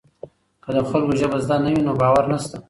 که د خلکو ژبه زده نه وي نو باور نشته.